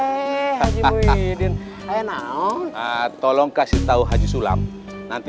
tolong kasih tahu haji sulam nanti malam ada rapat iye nanti saya kasih tahu sama haji sulam lagi